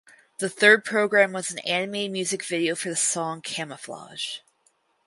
The third programme was an animated music video for the song "Camouflage".